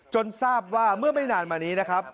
ทราบว่าเมื่อไม่นานมานี้นะครับ